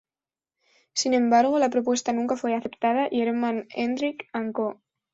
Sin embargo, la propuesta nunca fue aceptada, y Hermann Hendrick and Co.